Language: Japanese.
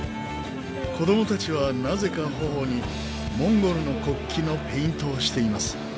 子供たちはなぜか頬にモンゴルの国旗のペイントをしています。